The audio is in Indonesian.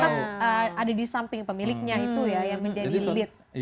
tapi tetap ada di samping pemiliknya itu ya yang menjadi libit